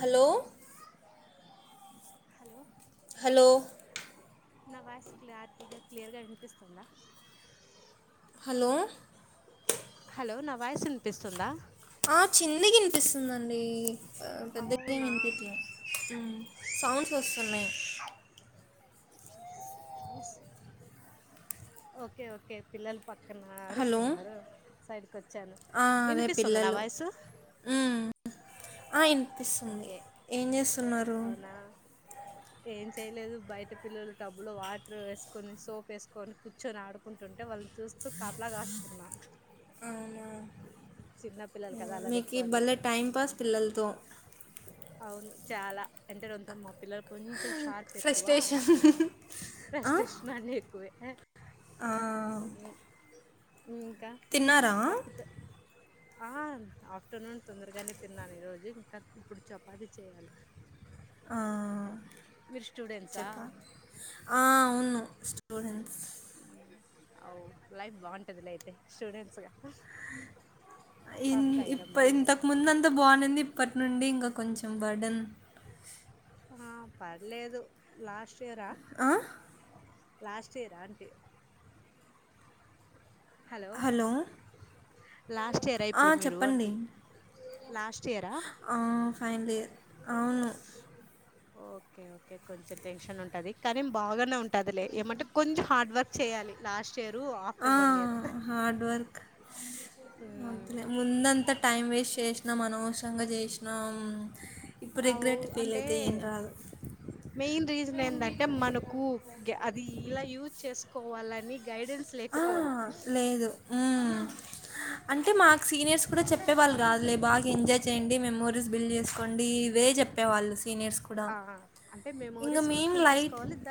Hello hello hello నా voice క్లారిటీగ క్లియర్గా వినిపిస్తుందా హలో హలో నా వాయిస్ వినిపిస్తుందా ఆ చిన్నగ వినిపిస్తుందిండి పెద్ద ఏమి అవునా వినిపిట్లే హూ సౌండ్స్ వస్తున్నాయి ఓకే ఓకే పిల్లలు పక్కన హలో అరుస్తున్నారు సైడ్కి వచ్చాను ఆ, అదే వినిపిస్తుంది నా పిల్లలు వాయిసు మ్మ్. ఆ ఇనిపిస్తుంది ఓకే ఏం చేస్తున్నారు అవునా ఏం చేయలేదు బయట పిల్లలు టబ్బు లో వాటర్ వేసుకొని సోప్ వేసుకొని కూర్చొని ఆడుకు అంటే వాళ్ళని చూస్తు కాపల కాస్తున్నా చిన్న పిల్లలు కదా అల్లరి మీకీ ఎక్కువ అందుకు బలే టైం పాస్ పిల్లలతో చాల అంటే రొంత మా పిల్ల కొంచెం షార్ప్ ఎక్కువ ఫ్రస్ట్రేషన్ ఆ? ప్రశ్టెషన్ అన్ని ఎక్కువే ఆ, ఇంకా తిన్నారా [unintelligible] ఆ ఆఫ్టర్నూన్ తొందరగానే తిన్నాను ఈ రోజు ఇంక ఇప్పుడు చపాతి చేయాలి మీరు స్టూడెంట్సా చెప్ప ఆఅవును స్టూడెంట్స్ అవు లైఫ్ బాగుంటది లె అయితే స్టూడెంట్స్గా ఇన్ కాఫీ తాగారా ఇప్ మరి ఇంతకు ముందు అంత బాగుంది ఇప్పటి నుండి ఇంకా కొంచం బర్డన్ హా పర్లేదు లాస్ట్ ఇయరా ఆ? లాస్ట్ ఇయరా అంటే హలో లాస్ట్ ఇయరా ఆ, ఇప్పుడు మీరు చెప్పండి అంటే లాస్ట్ ఇయరా ఫైనల్ ఇయర్ అవును ఓకే ఓకే కొంచం టెన్షన్ ఉంటది కానీ బాగానే ఉంటదిలే ఏమంటే కొంచెం హార్డ్ వర్క్ చేయాలి లాస్ట్ ఇయర్ ఆ after one year hard work అంతే ముందంతా టైం వేస్ట్ చేసినాం అనవసరంగా చేసినాం ఇప్పుడు అవు రిగ్రెట్ ఫీల్ అంటే అయితే ఏం రాదు మెయిన్ రీజన్ ఏంటంటే మనకు అది ఇలా యూజ్ చేసుకోవాలని గైడెన్స్ హా లేకపోవడం లేదు మ్ అంటే మాకు సీనియర్స్ కూడ చెప్పే వాళ్ళు కాదులే బాగ ఎంజాయ్ చేయండి మెమోరీస్ బిల్డ్ చేసుకోండి ఇ వే చెప్పేవాళ్ళు సీనియర్స్ కూడా ఆ అంటే ఇంగ మెమోరీస్ కూడ మేం ఫుల్ లైట్ చేసుకోవాలి ద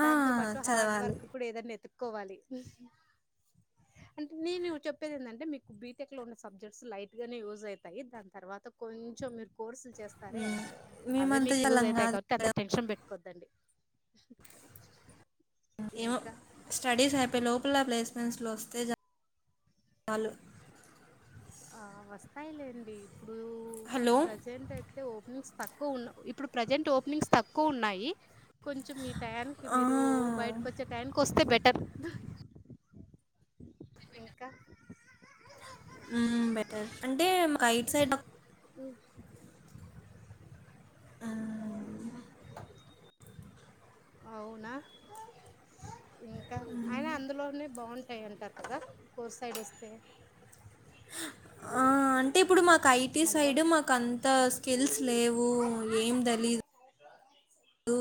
ఆ! దాంతో పాటు హార్డ్ చదవాలి. వర్క్ కూడ ఏదన్నా ఎతుక్కోవాలి అంటే నేను చెప్పేది ఏంటంటే మీకు బీటెక్ లో ఉన్న సబ్జెక్ట్స్ లైట్ గానే యూజ్ అవుతాయి దాని తర్వాత కొంచెం మీరు కోర్సులు చేస్తారే అవే మేమంత మీకు యూజ్ చేసేవాళ్ళం అవుతాయి కాదు కాబట్టి అంత మేడం. టెన్షన్ పెట్టుకోద్దండి డి ఏమో స్టడీస్ అయిపోయి లోపల ప్లేస్ మెంట్స్ లో వస్తే చాలు ఆ వస్తాయిలేండి ఇప్పుడు హలో! ప్రెజెంట్ అయితే ఓపెనింగ్స్ తక్కువ ఉన్ ఇప్పుడు ప్రజెంట్ ఓపెనింగ్స్ తక్కువ ఉన్నాయి కొంచెం మీ టైయానికి ఆ! మీరు బయటకు వచ్చే టైంకి వస్తే బెటర్ ఇంక మ్ బెటర్ అంటే మాకు ఐదు సైడ్ ఉ ఆ అవున ఇంక అయిన అందులోనే బాగుంటాయి అంటారు కదా కోర్ సైడ్ వస్తే ఆ అంటే ఇప్పుడు మాకు ఐటీ హలో సైడ్ మాకు అంత స్కిల్స్ లేవు ఏం తెలీ దు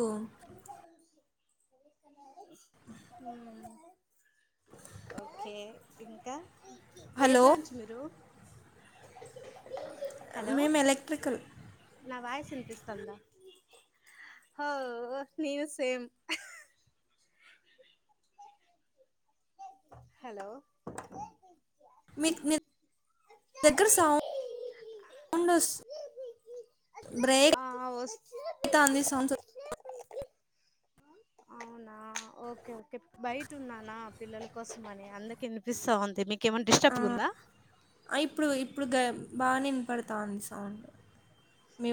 హ ఓకే ఇంక ఏ హలో! బ్రాంచ్ మీరు హలో మేము ఎలెక్ట్రికల్ నా వాయస్ విన్పి స్తన్ హో నీవు సేమ్ హెలో మీ దగ్గర సాం సౌండ్ వస్ బ్రేక్ ఆ వస్ అయితంది సౌండ్ అవునా ఓకే ఓకే బయట ఉన్నానా పిల్లల కోసం అని అందుకి వినిపిస్తా ఉంది మీకు ఇంకేమైన డిస్టర్బ్ ఉందా ఆ, ఇప్పుడు ఇప్పుడు గర్ బానే విన్పడతాంది సౌండ్ మీ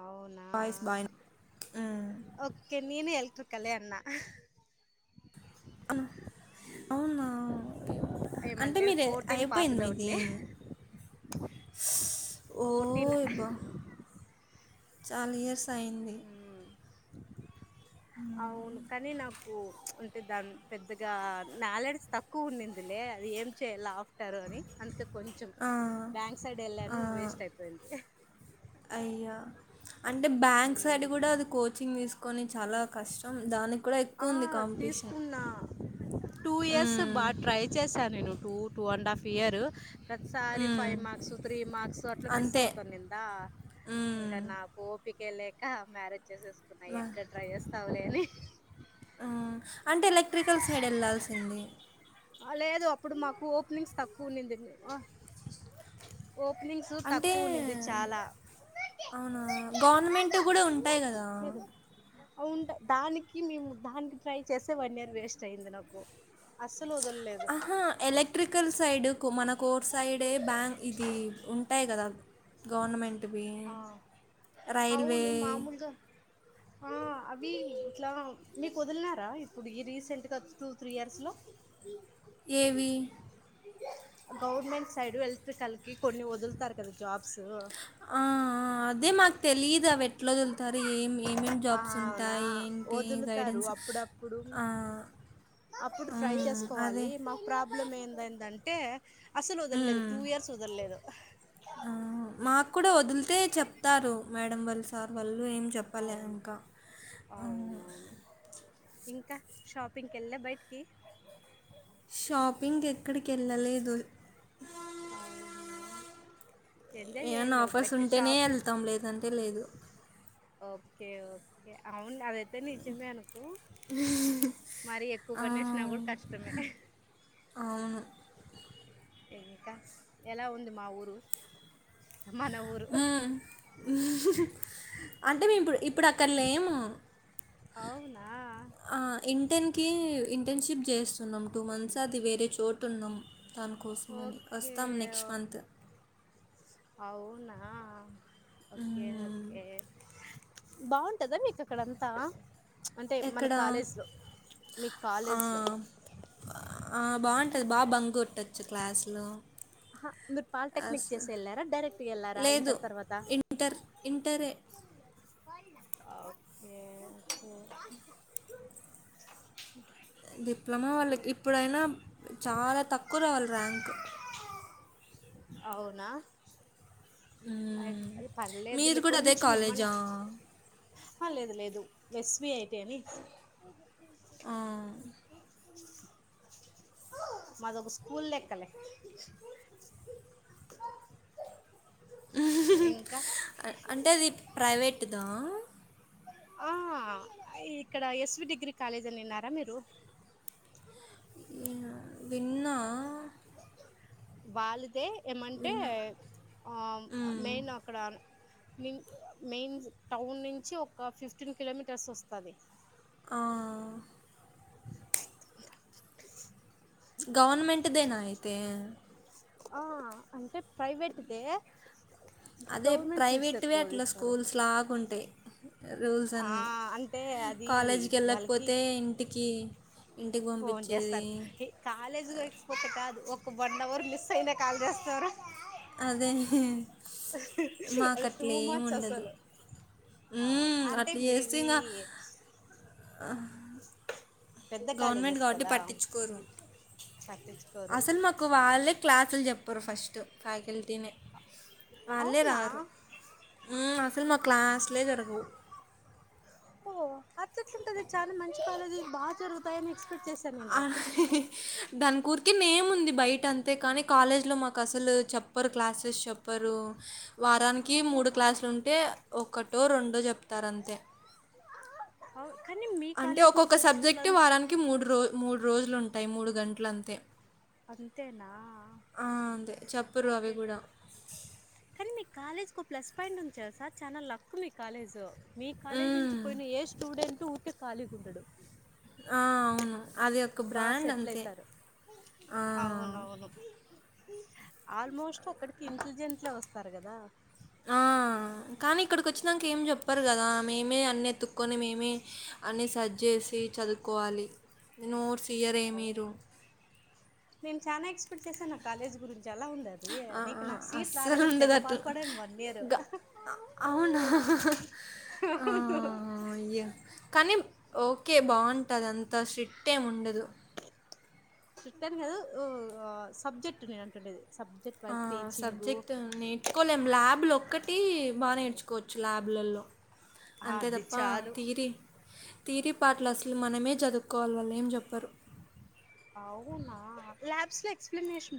అవునా వాయిస్ బా విన్ ఉమ్ ఉతుకలే అన్న ఆ అవునా ఒకే ఓ అంటే ఏమంటే మీరు ఫోర్టీన్ అయిపోయింది పాస్డ్ మీది అవుట్లే ఓ ఫోర్టీన్ యబ్బా చాలా ఇయర్స్ అయింది అవును కనీ నాకు దాని పెద్దగా నాలెడ్జ్ తక్కువ ఉండిదిలే అది ఏం చేయాల పేట్టారు అని అందుకే కొంచెం ఆ, బ్యాంక్ సైడ్ వెళ్ళాను వేస్ట్ అయిపోయింది అయి అంటే బ్యాంక్ సైడ్ ఉమ్ కూడా అది కోచింగ్ తీసుకొని చాలా కష్టం దాని కూడా ఆ ఎక్కువ ఉంది కాంపిటీషన్ తీసుకున్నా టూ ఇయర్స్ ఉమ్, బాగా ట్రై చేశాను నేను two two and half year ప్రతిసారి ఉమ్, ఫైవ్ మార్క్స్ త్రీ మార్క్స్ అట్లా మిస్ అంతే అవుతా ఉండిందా ఉమ్, ఇంకా నాకు ఓపికే లేక మ్యారేజ్ చేసేసుకున్నా మా- ఎక్కడ ట్రై చేస్తావులేని అంటే ఎలక్ట్రికల్ సైడ్ వెళ్లాల్సింది లేదు అప్పుడు మాకు ఓపెనింగ్స్ తక్కువ ఉనింది అంటే అవున గవర్న మెంటు కూడా ఉంటాయి కదా అవును ఉంటా దానికి మేము దానికి ట్రై చేస్తే వన్ ఇయర్ వేస్ట్ అయింది నాకు వదలలేదు ఆహా ఎలక్ట్రికల్ సైడ్ మన కోర్ సైడే బ్యాంక్ ఇది ఉంటాయి కదా గవర్నమెంట్ వీ ఆ రైల్వే అ అవి ఇట్లా మీకు వదిలినారా ఇప్పుడు ఈ రీసెంట్ గా టూ త్రీ ఇయర్స్ లో ఇ ఏవి గవర్నమెంట్ సైడ్ ఎలక్ట్రికల్ కి కొన్ని వదులుతారు కదా జాబ్స్ ఆ ఆ అదే మాకు తెలిదు అవి ఎట్లా వదులుతారు ఏం ఏమేమి ఆ జాబ్స్ అవునా ఉంటాయి ఏంటి వదులుతారు గైడెన్స్ అప్పుడప్పుడు ఆ అప్పుడు ట్రై మ్, అదే చేసుకోవాలి మాకు ప్రాబ్లం ఏంద ఏందంటే అసలు వదలలేదు టూ మ్. ఇయర్స్ వదలలేదు ఆ! మాకు కూడా వదిలితే చెప్తారు మేడం వాళ్ళు సారు ఏం చెప్లే అవును ఇంకా అవునవును ఇంకా షాపింగ్కి వెళ్ళ బయటికి షాపింగ్ ఎక్కడికి వెళ్ళలేదు అవునా ఎంజాయ్ ఏమన్నా చేయాలి కదా ఆఫర్స్ బయటకి ఉంటేనే షాప్ వెళ్తాం లేదంటే లేదు ఓకే ఓకే అవును అదైతే నిజమే మరి ఎక్కువ ఆ! పనిచేసిన కూడా కష్టమే అవును. ఎలా ఉంది మా ఊరు మన ఊరు ఉమ్ ఉహు హు అంటే మేము ఇప్పుడు ఇప్పుడక్కడలేము అవునా ఇంటన్కి ఇంటర్న్షిప్ చేస్తున్నాం టూ మంత్స్ అది వేరే చోటున్నాం దానికోసం అని ఓకే వస్తాం నెక్స్ట్ మంత్ అవునా ఒకే హ్మ్. ఒకే బావుం టదా మీకు అక్కడంతా అంటే మన ఎక్కడ కాలేజ్ లో మీ ఆ, కాలేజ్ లో ఆ, బాగుంటుంది బాగా బంగ్ కొట్టోచ్చు క్లాస్లో ఆహా మీరు పాల్టేక్నిక్ చేసేల్లారా డైరక్ క్ట్ గే ళ్ళరా లేదు ఇంటర్ తర్వాత ఇంటర్ ఇంటరే ఒకే మ్ డిప్లొమా వాళ్ళకి ఇప్పుడైనా చాలా తక్కువ రావలి ర్యాంకు అవునా అయ్ మ్మ్. అది మీరు పర్లేదులే కూడా అదే కొంచెం ఏమం కాలేజా అ లేదు లేదు ఎస్బి ఐటి అని ఆ. మాదొక్కా స్కూల్ లేక్కలే ఇంకా అంటే అది ప్రైవేట్దా ఆ ఇక్కడ ఎస్వి డిగ్రీ కాలేజ్ అని విన్నారా మీరు అ విన్నా వాళ్ళదే ఏమంటే విన్నా ఆ మ్మ్. మెయిన్ అక్కడ మెయిన్ టౌన్ నుంచి ఒక ఫిఫ్టీన్ కిలోమీటర్స్ వస్తది ఆ గవర్నమెంట్దేనా అయితే ఆ అంటే ప్రైవేట్దే అదే గవర్నమెంట్ సీట్స్ ప్రైవేట్వే ఎక్కువ అట్లా తీస్తారు స్కూల్స్ లాగుంటాయి రూల్స్ ఆ అన్నీ అంటే అది కాలేజ్ వాళ్ళకి కేళ్ళకపోతే ఇంటికి ఇంటికి ఫోన్ పంపించేది చేస్తారు కాలేజీపోతే కాదుఓ క్క వన్ అవర్ మిస్ అయిన కాల్ చేస్తారు అదే మాకు అది టు అట్లా ఏమి మచ్ ఉండదు అసలు అహో మ్మ్, అంటే అట్లా చేస్తే మీవి ఇంకా పెద్ద గవర్నమెంట్ కాలేజెస్ కాబట్టి కదా పట్టిచ్చుకోరు పట్టించుకోరు అసలు మాకు వాళ్ళే క్లాసులు చెప్పరు ఫ్యకల్టీ టీన్ వాళ్ళే అవునా రారు మ్ అసలు మ క్లాస్లే జరగవు ఓ అట్లేట్లుంది చాలా మంచి కాలేజీ బా జరుగుతాయని ఎక్స్ దాని ఉరికే నేమ్ ఉంది బయట అంతే కానీ కాలేజ్లో మాకు అసలు చెప్ ప్పరు క్లాసెస్ చెప్పరు వారానికి మూడు అవునా క్లాసులుంటే ఒకటో రెండో చెప్తారంతే అవ్ అంటే ఒక్కొక్క సబ్జెక్ట్ వారానికి మూడు రో మూడు రోజులుంటాయి మూడు గంటలంతే అంతేనా ఆ! అంతే చెప్పరు అవి ఓకే గూడా. కానీ మీ కాలేజ్ ఒక ప్లస్ పాయింట్ ఉంది తెలుసా చాన లక్ మీ కాలేజ్ మీ కాలేజ్ హ్మ్. నుంచి పోయిన ఏ స్టూడెన్ టు ఊకె ఖాలీగుండడు. ఆ అవును అది ఒక బాగా బ్రాండ్ సెటిల్ అంతే. అయితారు ఆ! అవునవును ఆల్మోస్ట్ అక్కడికి ఇంటలిజెంట్లే వస్తారు కదా ఆ కానీ ఇక్కడికి వచ్చినంక ఏం చెప్పరు కదా మేమే అన్ని ఎతుక్కొని మేమే అన్ని సర్చ్ చేసి చదువుకోవాలి ఇంగ నోట్స్ క్లియరే మీరు అవును ఇప్పుడు చేసాన్ ఆ కాలేజ్ గురిన్ జలా ఉంద అది ఆ! నీకు ఆ! నాకు సీట్ అస్సలు రాలేదని ఉండదు తెగ అట్లా. బాధపడాన్ వన్ ఇయరు గ అవునా? ఆ అయ్యో కానీ ఓకె బాన్ టదంత స్ట్రిక్ట్ ఏం ఉండదు స్ట్రిక్ట్ అని కాదు ఒ ఆ సబ్జెక్ట్ నేను అంటుండేది సబ్జెక్ట్ వై ఆ టీచింగు సబ్జెక్ట్ నేర్చుకోలేం ల్యాబ్లు ఒక్కటి బా నేర్ కోవచ్చు ల్యాబ్లలో అంతే అది తప్ప చాలు థియరీ తీయరి పార్ట్లు అసలు మనమే చదువుకోవాలి వాల్ ఏం చెప్ అవునా ల్యాబ్స్ లో ఎక్స్ప్లనేష్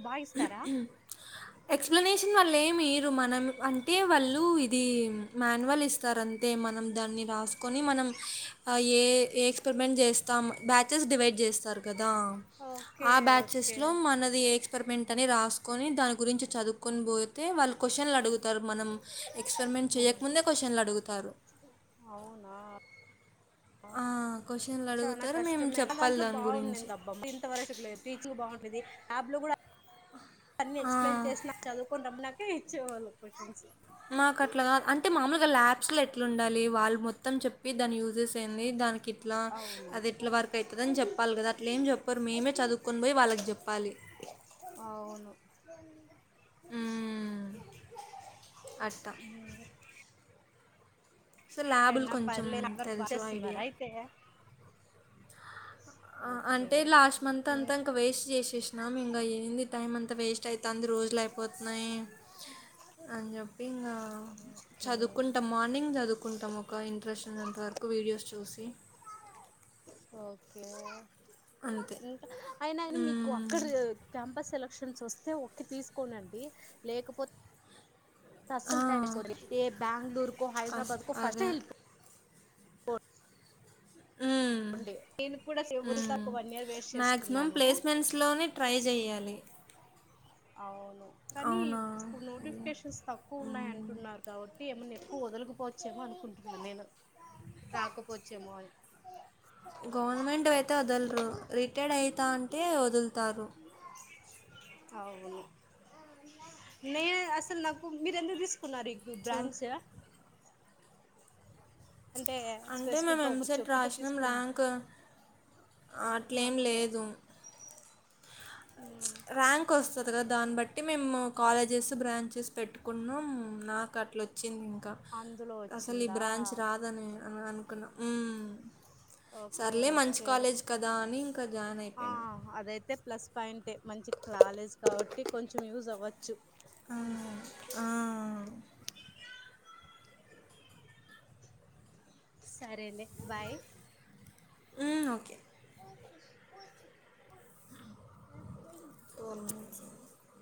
ఎక్స్ప్లనేష వాళ్లేం ఈరు మనం అంటే వాళ్ళు ఇది మాన్వల్ ఇస్తారంతె మనం దాన్ని రాసుకొని మనం ఏ ఏ ఎక్స్పరిమెంట్ చేస్తాం బ్యాచెస్ డివైడ్ చేస్తారు కదా ఓకే ఆ బ్యాచెస్ ఓకే లో మనది ఎ అని రాసుకొని దాని గురించి చదువుకొని పోతే వాళ్ళు కొషన్లు అడుగుతారు మనం ఎక్స్పెరిమెంట్ చేయకముందే కొషన్లడుగుతారు. అవునా ఆ! చాన క్వెషన్‌లడుగుతారు. మేము కష్టమే మా చెప్పాలి దాంట్లో దాని గురించి. బాగున్నిందబ్బ ఇంత వరకు అట్ల లేదు పీచు బాన్ ది యాప్ లో కూడా అన్నీ ఆ! ఎక్స్ప్లెయిన్ చేసినా చదువుకోని రమ్మనాకే ఇచ్చేవాళ్ళు క్వషన్స్ మాకు అట్లగాద్ అంటే మామూలుగా ల్యాబ్స్ లో ఎట్లుండాలి వాళ్ళు మొత్తం చెప్పి దాని యూజస్ దానికి ఇట్లా అవును అది ఇట్ల వర్క్ అయితది అని చెప్పాలి కదా అట్లేం చెప్పరు మేమె చదువుకొని పోయి వాళ్ళక్ జెప్పాలి. అవును మ్మ్. అట్టా మ్ సో ల్యాబులు కొంచెం పర్లేదు అందరు బాగా తెలుసు చేస్తున్నారా ఐడియా అయితే ఓకే అంటే లాస్ట్ మంత్ అంతా ఇంక వేస్ట్ చేసేసినాం ఇంగ ఏంది టైం అన్ అంత వేస్ట్ అయితాంది రోజులు అయిపోతున్నాయి అని చెప్పి ఇంగ ఓకే చదువుకుంటాం మార్నింగ్ చదువుకుంటాం ఒక ఇంట్రెస్ట్ ఉన్నంతవరకు వీడియోస్ చూసి ఓకే అంతే. ఇంకా అయిన అయిన మీకు హ్మ్. అక్కడ క్యాంపస్ సెలక్ క్షన్స్ వస్తే ఓకె తీసుకోండండి లేకపో ఆ! అస్సల్ తడికొది ఏ బ్యాంగళూరుకో అస్ హైదరాబాదుకో ఫస్ట్ అదే. ఎ ఎల్లిపో హ్మ్. తుంటి నేను కూడా సే ఉరి హ్మ్. తక్కువ వన్ ఇయర్ వేస్ట్ మాక్సిమం చేసుకున్నాను ప్లి అవును కానీ ఇప్పుడ్ అయ్యో! నోటిఫికేషన్స్ తక్కువున్నాయి హ్మ్. అంటున్నారు కాబట్టి ఏమన్ వదలుకపోవచ్చేమో అనుకుంటున్నా నేను రాకపోచ్చేమో అని గవర్నమెంట్ అయితే వదల్రు రిటైర్డ్ అయితా అంటే వదులుతారు అవును లే అసలు నాకు మీరు ఎందుకు తీసు మరి ఇప్పుడు చూ బ్రాంచ్ అంటే అంటే స్పెసిఫిక్ మేము గా ఒకరు ఎంసెట్ చొప్పిట రాసినాం తీసుకుని ర్యాంక్ అట్లేం ఓకే లేదు హు ర్యాంక్ వస్తుంది కదా దాన్ని బట్టి మేము కాలేజెస్ బ్రాంచెస్ పెట్టుకున్నాం నాకు అట్లా వచ్చింది ఇంకా అందులో అసలు ఈ వచ్చిందా బ్రాంచ్ రాదని అనుకున్నం ఓకే సర్లే మంచి ఓకే కాలేజ్ కదా అని ఇంకా జాయిన్ ఆ అయిపోయినా అదైతే ప్లస్ పాయింటే మంచి కాలేజ్ కాబట్టి కొంచెం యూజ్ అవ్వచ్చు ఆ [inaudible] ఆ. సరే అండి బాయ్ ఉమ్ ఓకే పూచి పు [inaudible]